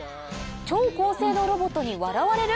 超高性能ロボットに笑われる？